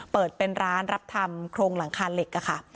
เปิดเป็นร้านรับทำโครงหลังคาเหล็กค่ะ